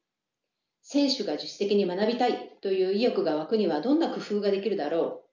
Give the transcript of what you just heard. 選手が自主的に学びたいという意欲が湧くにはどんな工夫ができるだろう？